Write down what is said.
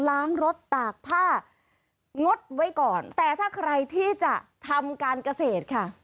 ล้างรถตากผ้างดไว้ก่อนแต่ถ้าใครที่จะทำการเกษตรค่ะ